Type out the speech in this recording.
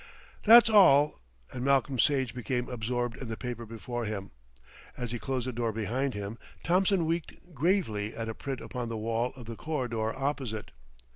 "That's all," and Malcolm Sage became absorbed in the paper before him. As he closed the door behind him Thompson winked gravely at a print upon the wall of the corridor opposite.